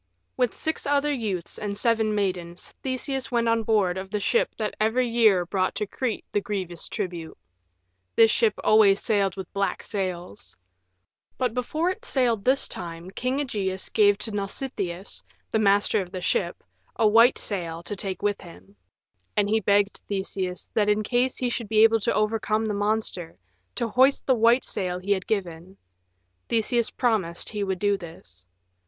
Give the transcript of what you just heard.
With six other youths and seven maidens Theseus went on board of the ship that every year brought to Crete the grievous tribute. This ship always sailed with black sails. But before it sailed this time King Ægeus gave to Nausitheus, the master of the ship, a white sail to take with him. And he begged Theseus, that in case he should be able to overcome the monster, to hoist the white sail he had given. Theseus promised he would do this.